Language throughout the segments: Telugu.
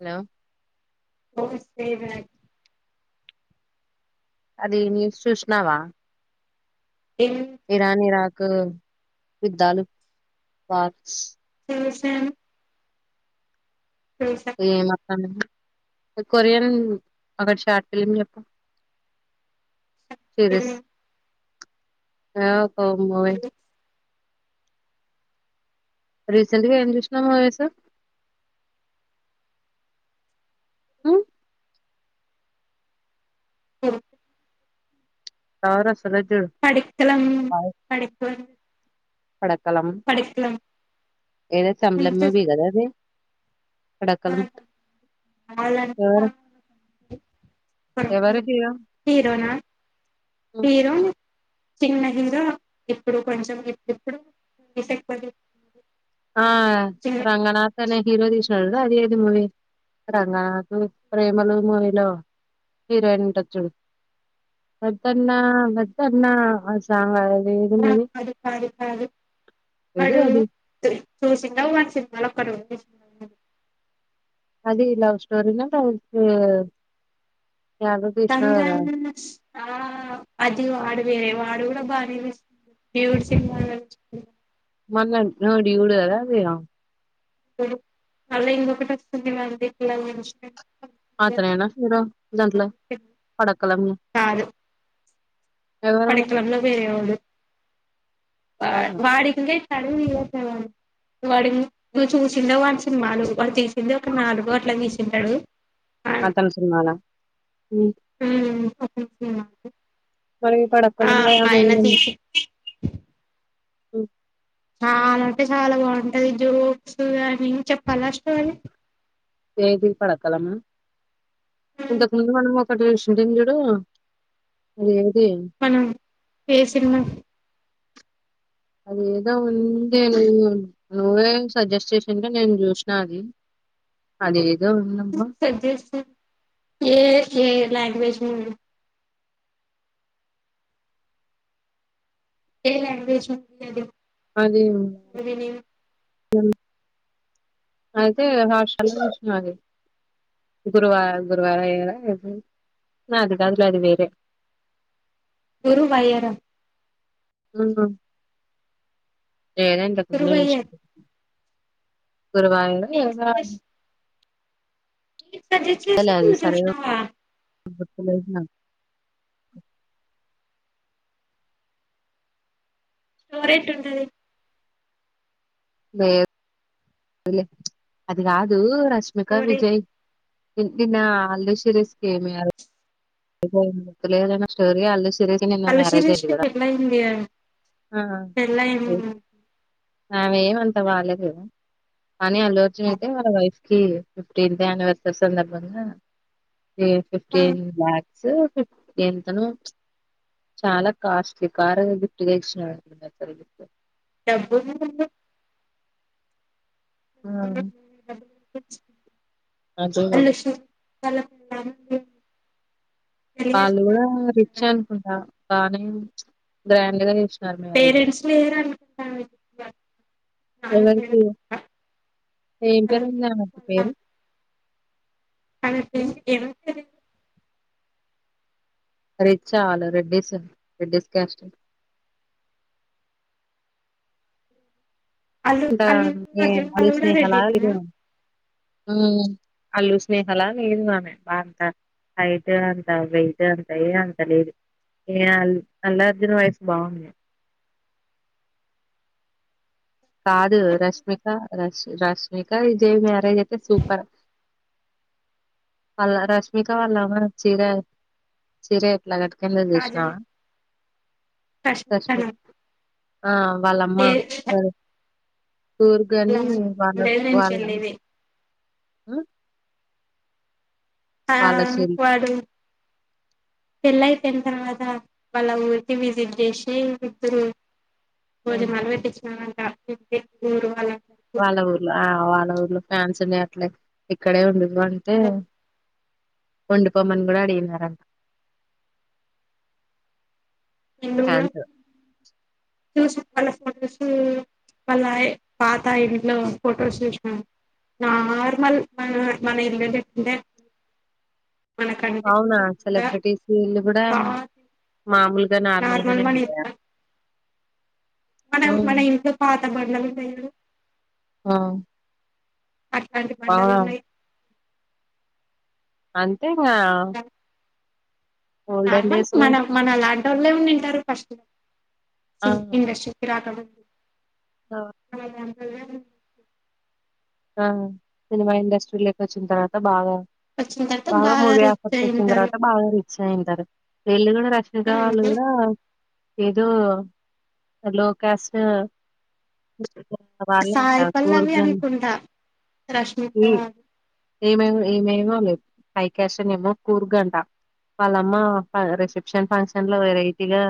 హలో సేవ [unintelligible] అది న్యూస్ చూసినావా ఇరాన్ ఇరాక్ యుద్దాలు పాస్ నమస్తే అను ఏ మ కొరియన్ ఒకటి షార్ట్ ఫిలిమ్ చెప్పు చేరస్ ఏ ఓ మోయి రీసెంట్ గా ఏం చూసినవ్ మూవీస్ ఆ చౌరస్త్ [unintelligible] పడకలం పడిక్కలం ఏద [unintelligible] అదే కడక్కలం ఎవరు ఎవరు హీరో హీరోనా హీరో చిన్న హీరో ఇప్పుడు కొంచెం ఇప్పుడు ఆ రంగనాధనే హీరో తీసినాడు అది ఏది మూవీ రంగనాథ్ ప్రేమలు మూవీలో హీరోయిన్ ఉంటది చూడు వద్దన్నా వద్దన్నా ఆ సాంగ్ అ ఆ కాదు కాదు కాదు ఏది కడు అది చూసినవ్ వాని సినిమాలు ఒక్కటి కూడా చూ అది లవ్ స్టోరిన [unintelligible] యాదవ్ కృష్ణ గదా కంగన్ ఆ అది వాడు వేరే వాడు కూడా బాగానే తీస్తుండు దేవుడు సినిమాలు మన లాంటిది చూడదు గదా లేదా మళ్ళా ఇంకొకటి వస్తుంది మళ్ళి పిల్లల నుంచి అతనేనా హీరో దాంట్లో పడకలన్ని పడకలం లో వేరే వాడు వా అవునా వాడింకా చడా వాడు నువ్వు చూసిండా వాని సినిమాలు వాడు తీసిందే ఒక నాలుగో అట్లా తీసి ఉంటడు. అతని సినిమాల ఉ [unintelligible] మరీ పడకలం లో ఆ ఎనిమిది ఆయన మంది తీసి ఉ చాలా అంటే చాలా బాగుంటది జోక్స్ గాని చెప్పాలా స్టోరీ ఏది పడకలమా ఇంతకు ముందు మనం ఒకటి చూసిఉంటే చూడు చడు అది మనం ఈ సినిమా అది ఏదో ఉంది నేను నువ్వే సజెస్ట్ చేసాంటే నేను చూసినా అది అది ఏదో ఉందబ్బా సజ ఏ ఏ లలాంగ్వేజ్ మ ఏ అదే మూవీ నేమ్ అను అతే హష అ గురువా గురువార ఏ అది అదు అది వేరే గురువారం అ ఏదంట ముందే గురువయ్యర్ చూసా నేను సజెస్ట్ కురువాద సజెస్ట్ చేసి నువ్వు చూసినావా అబ్బా స్ోరేట్ ఉండది మీ అది కాదు రష్మిక స్టోరీ విజయ్ నిన్న అల్లుశిరీష్ ఆది స్టోరీ అలీ అల్లుశిరీష్ కి పెళ్లయింద్ ఆ! పెళ్లయింది ఆమెఆమె అంతా బాలేదు కానీ అల్లుఅర్జున్ అయితే వాళ్ వైఫ్ కి ఫిఫ్టీన్ అన్నివేసరి సందర్భంగా ఫిఫ్టీలక్ ఫిఫ్టీ ఎంతనో చాలా కాస్ట్లీ కారు గిఫ్ట్ ఎవడు అంత గా డబ్బు ఉంది గా ఆ అర్ధం కల కల వాళ్ళు కూడా రిచ్ అనుకుంటా బానే గ్రాండ్ గా చేసుకుంటారు మ్యారేజ్ పేరెంట్స్ లేరు అనుకుంటాను నాన్న ఎవరికి మేడం ఏం పేరు ఉంది పేరు రష్మి హ్మ్. కి ఏమవుతారే చాల రెడ్డీస్ రెడ్డీస్ క్యాస్ట్ అల్లు ఇంత అల్లు ఏ అర్జున్ వాళ్ళు అల్లు కూడా స్నేహాల లేదు రెడ్డినేనా ఆమె అల్లు స్నేహలా లేదు ఆమె అంత హైట్ అంత వెయిట్ అంత ఏ అంత లేదు ఏ అల్ అల్లుఅర్జున్ వైఫ్ బాగుంది కాదు కొంచెం రష్మిక రష్ రష్ రష్మిక విజయ్ మ్యారేజ్ అయితే సూపర్ వాళ్ళ రష్మిక వాళ్ళమా చీర చీరే ఎట్లా కట్ కుందొ కాజల్ చూసినావా రష్మిక ఆ వాళ్ళమ్మా ఏ అ టూర్ కాని వాళ్ళ లేదు నేను వాళ్ళ చెల్లిది ఆ ఆ వాళ్ళ చెల్ వాడు పెళ్లైపోయిన తర్వాత వాళ్ళ ఊరికి విజిట్ చేసి ఇద్దరు ఆ! బోజనాలు వేటిచ్చినరా [unintelligible] ఊరు వాళ వాళ్ళ ఊర్లు ఆ వాళ ఊర్లు ఫ్యాన్స్ ఉన్నాయి అట్లే ఇక్కడే ఉండు ఇవంటే ఉండి పోమ్మని కూడా అడిగినారన్ ట నిన్ను కూడా చూసాం వాళ్ళ ఫొటోస్ వాళ్ళ పాత ఇంట్లో ఫొటోస్ చూసినాం నార్మల్ మన మన ఇల్లు లెక్కనే అవునా సెలబ్రిటీస్ ఇళ్ళు కూడా పాత మామూలుగా నార్మల్ నార్మల్గానే మన ఉండయ మనం మన ఇంట్లో పాత [unintelligible] చూడు ఆ అట్లాంటి ఆ బండలు ఉన్నాయి అం తేగా నార్మల్ మనం మన లాంటోలే ఉండింటరు ఫస్ట్ల ఆ సింగింగ్ ఇండస్ట్రీకి రాకము ఉ అ ఉ ఆ సినిమా ఇండస్ట్రీలోకి వచ్చిన తర్వాత బాగా వచ్చిన తర్వాత బాగా మూవీ రిచ్ ఆఫర్స్ వచ్చిన అయింటారు తర్వాత బాగా రిచ్ అయింటారు వీళ్ళు కూడా రష్మిక వాళ్ళు కూడా ఏదో లో క్యాస్ట్ సాయిపల్లవి అనుకుంటా రష్మిక ఈ ఏమేమ్ ఏమేమో పైకషన్ ఏమో కూరుగంట వాళ్ళమ్మ రిసెప్షన్ ఫంక్షన్ లో వెరైటీగా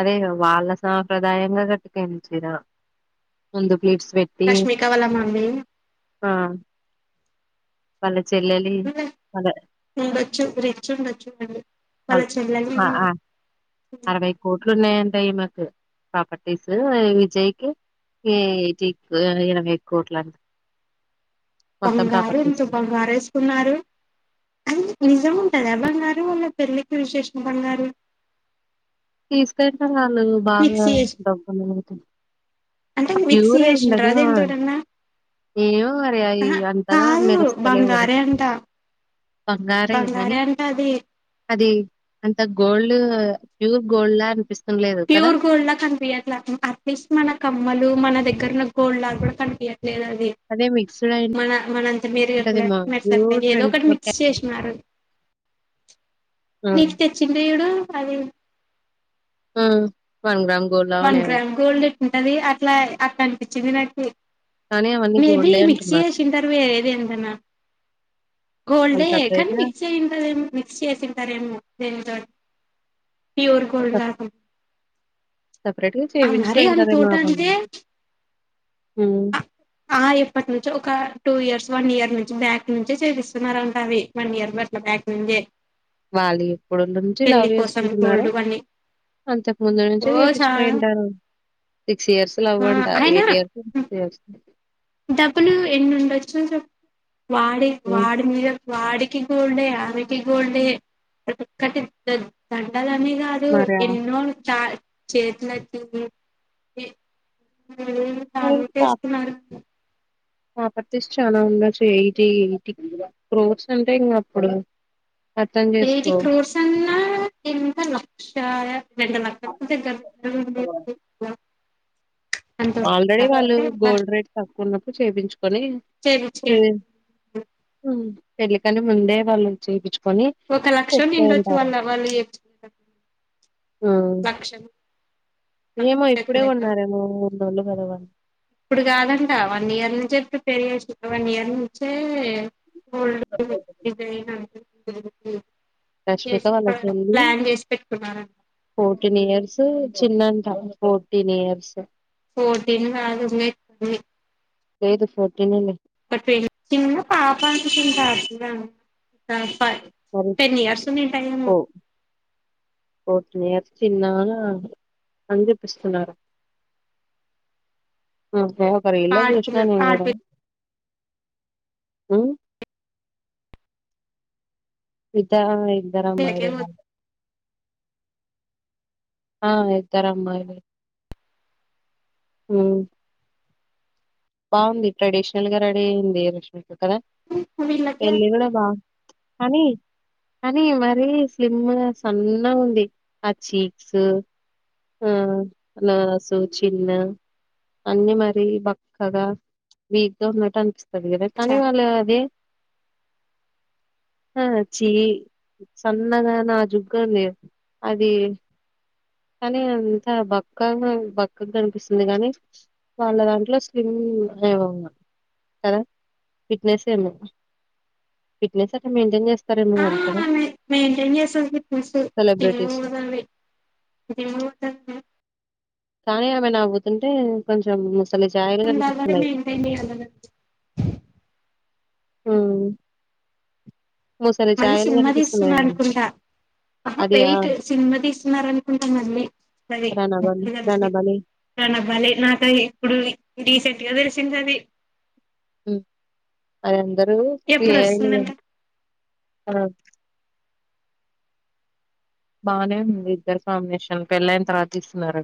అదే వాళ్ళ సాంప్రదాయంగా కట్టుకుంది చీర ముందు ప్లీట్స్ పెట్టి రష్మిక వాళ్ళ మమ్మీ అ పల్లె ఉండొచ్చు రిచ్ ఉండొచ్చు వాళ్లు చెల్లలి అరవై కోట్లు ఉన్నాయంట ప్రాపర్టీస్ విజయకి ఇరవై కోట్లు అం బంగారు ఎంత బంగారు వేసుకున్నారు అన్ని నిజం ఉంటదా బంగారు వాళ్ళ పెళ్ళికి విశేషం బంగారు తీసుకెళ్తా అల్లు బాగా మిక్సీ చేసి డబ్బులు బోతయి అంటే మిక్సీ చేసిండ్ర దేని తోటన్న ఏమో మరి అవి అంతగా మెరుస్తలేవు కదా బంగారే అంట బంగారె కానీ బంగారే అంట అది అది అంత గోల్డ్ ఆ ప్యూర్ గోల్డ్ లా అనిపిస్ ప్యూర్ గోల్డ్ లా కనిపియట్లే అట్లీస్ట్ మన కమ్మలు మన దగ్గ దగ్గర లా గోల్డ్ లాగా కూడా కన్పియా లేదా అది అదే మిక్స్డ్ అయి మన మనంత మేరుగట్లే ఉంటదేమో ప్యూర్ మెరుసట్లేదు ఏదో ట్వంటీ ఒకటి ఫోర్ మిక్స్ చేసినారు క్యారెట్ నీకు తెచ్చింది చూడు అదే ఆ వన్ గ్రామ్ గోల్డ్ లా వన్ ఉన్నాయి అవి గ్రామ్ గోల్డ్ ఉంటది అట్లా అట్లా అనిపించింది నాకు కానీ అవన్నీ మేబి గోల్డే మిక్సీ అంటున్నారు చేసింటారు వేరేది ఎంతనా వాళ్ళు గోల్డే కానీ సపరేట్ గా మిక్సీ అయిఉంటది ఏమో మిక్సీ చేసి ఉంటారు దేని తో ప్యూర్ గోల్డ్ లాగా సపరేట్ గా చేపించుకుంటారేమో మా బంగ హమ్ ఆ ఎప్పటి నుంచో ఒక టూ ఇయర్స్ వన్ ఇయర్ నుంచి బ్యాక్ నుంచి చూపిస్తున్నారంట అవి వన్ ఇయర్ అట్ల బ్యాక్ ముందే వాళ్ళు ఎప్పుడో నుంచి లవ్ కోసం చేసుకుంటున్నారు గోల్డ్ వన్నీ అంతకు ముందు నుంచే ఓ చా చెప్పిచ్చుకుపోయింటారు సిక్స్ ఇయర్స్ లవ్ ఆ అంట అయినా ఎయిట్ ఇయర్స్ సిక్స్ ఇయర్స్ డబ్బులు ఎన్ని ఉండొచ్చు వాడే వాడే మియర్ వాడికి గోల్డే ఆమెకి గోల్డే ప్రతి ఒక్కరికీ దండగా గానే కాదు మరి ఆ ఎన్నోంట చేత్లకి కానీ [unintelligible] ప్రాప్ కేస్తున్నారు ప్రాపర్టీస్ చాలా ఉండొచ్చు ఎయిటీ ఎయిటీ క్రోర్స్ అంటే ఇంగప్పుడు ఎయిటి క్రోర్స్ అన్నా ఇంక లక్ష రెండు లక్షలకు దగ్గర [unintelligible] అంత ఆల్రెడీ వాళ్ళు వస్తుందంటే అబ్బా గోల్డ్ రేట్ తక్ క్కువున్నప్పుడు చేపించు కోని చేపిచ్చుకే పోయ్ అ పెళ్ళికని ముందే వాళ్ళు చేపించు ఒక లక్షం నిండొచ్చు వాళ్ళు వాళ్ళు చెపిచ్చుకునేకి లక్షం ఏమో ఇప్పుడే కొన్నారేమో ఉన్నోళ్ళు కదవాల్ ఇప్పుడు కాదంట వన్ ఇయర్ నుంచే ప్రిపేర్ చేసి వన్ ఇయర్ నుంచే గోల్డ్ డిజైన్ [unintelligible] రష్మిక చేసి వాళ్ళ చెల్లి ప్లాన్ చేసి పెట్టుకున్నారంట ఫోర్టీన్ ఇయర్స్ చిన్నంట ఫోర్టీన్ ఇయర్స్ ఫోర్టీన్ కాదు ఇంగా కొంచెం ఎక్కువే లేదు ఫోర్టీనేలే ఫోర్టీన్ చిన్న పాప అనుకుంట ఫ మరి టెన్ ఇయర్స్ఉన్నింటాయోమో చిన్నగానే కనిపిస్తున్నారు అ హే ఒక రీల్లో చూసిన ఆడపిల్ల నేను కూడా ఉ అయితంది. ఆడపిల్లకే ఇద్దరమ్మాయిలే. ఆ ఇద్ధరమ్మయిలే. ఊ బాగుంది ట్రెడిషనల్ గా రెడీ అయ్యింది ఆ రోజు కద వీళ్ళకే పెళ్ళి కూడా బా కానీ కానీ మరీ స్లిమ్గా సన్నగా ఉంది ఆ చీక్స్ ఆ నోస్ చిన్ అన్ని మరి బక్కగా వీక్గా ఉన్నట్టు అనిపిస్తుంది. కదా కనీ వచ్చారు వాళ్ళదే ఆ చీ సన్నగా నాజుగ్గ లే అది కానీ అంత బక్కగా బక్కగా కనిపిస్తుంది కానీ వాళ్ళ దాంట్లో స్లిమ్ంగ్ అ కదా ఫిట్నెస్ ఏమో ఫిట్నెస్ అట్ట మెయింటైన్ చేస్తారేమో వాళ్ళు కద మెయిన్టెయిన్ చేస్తంది ఫిట్నెస్ సెలబ్రిటీస్ [unintelligible] కానీ ఆమె నవ్వుతుంటే కొంచెం ముస్ [unintelligible] ఊ మళ్ళీ సినిమా తీస్తున్నారు అనుకుంటా అది ఆ వెయిట్ అహా సినిమా తీస్తున్నారు అనుకుంటా మళ్ళీ రణబలి ఇద్దరూ కలిసి రణబలి అవ్వాలి నాకు ఇప్పుడు రీసెంట్ ఎవరి సినిమా అది ఊ అంది ఎప్పుడు వస్తుందంట అం [unintelligible] బాగానే ఉంది ఇద్దరు కామినేషన్లు పెళ్ళయిన తరువాత తీస్తున్నారు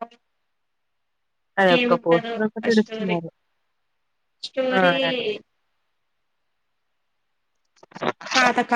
అ అదొక్క పోస్టర్ ఒకటే ఆ స్టోరీ ఇడుస్తున్నారు ఆ స్టోరీ స పాతకాలం